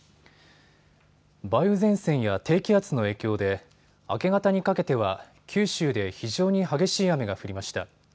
梅雨前線や低気圧の影響で明け方にかけては九州で非常に激しい雨が降りました。